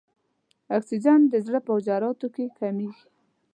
اکسیجن د زړه په حجراتو کې کمیږي.